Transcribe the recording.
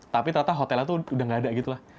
tapi ternyata hotelnya tuh udah gak ada gitu lah